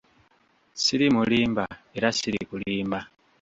Siri mulimba era sirikulimba.